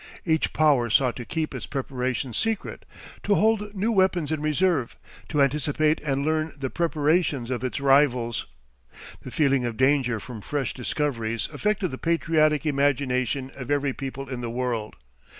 Each power sought to keep its preparations secret, to hold new weapons in reserve, to anticipate and learn the preparations of its rivals. The feeling of danger from fresh discoveries affected the patriotic imagination of every people in the world.